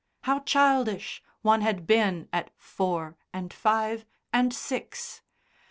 How childish one had been at four, and five, and six!